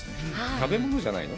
食べ物じゃないの？